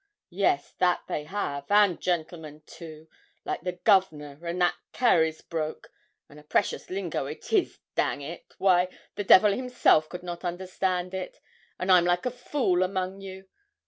'Yes, that they have, an' gentlemen too like the Governor, and that Carysbroke; and a precious lingo it is dang it why, the devil himself could not understand it; an' I'm like a fool among you.